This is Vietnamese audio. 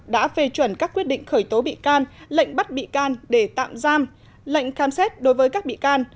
đã phê chuẩn các quyết định khởi tố bị can lệnh bắt bị can để tạm giam lệnh khám xét đối với các bị can